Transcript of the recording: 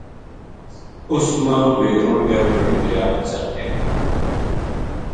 اس ما ویہ رُڑ کے بڑی دریا ما چل گیا